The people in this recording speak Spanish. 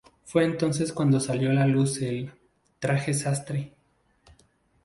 Fue entonces cuando salió a la luz el "traje sastre".